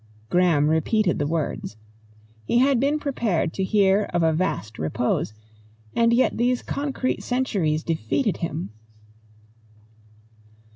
Graham repeated the words. He had been prepared to hear of a vast repose, and yet these concrete centuries defeated him.